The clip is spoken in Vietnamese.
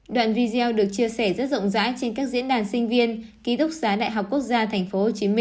đoạn video được chia sẻ rất rộng rãi trên các diễn đàn sinh viên ký túc xá đại học quốc gia tp hcm